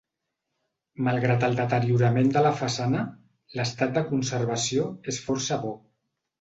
Malgrat el deteriorament de la façana, l'estat de conservació és força bo.